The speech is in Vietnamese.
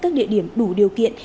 các địa điểm đủ điều kiện